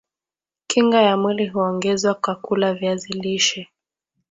kinga ya mwili huongezwa kwa kula viazi lishe